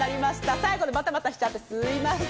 最後にバタバタしちゃってすみません。